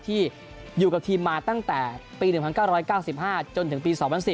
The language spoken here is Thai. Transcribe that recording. ที่อยู่กับทีมมาตั้งแต่ปี๑๙๙๕จนถึงปี๒๐๐๔